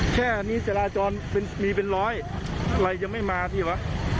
แค่นี้จราจรมีเป็นร้อยอะไรยังไม่มาพี่วะ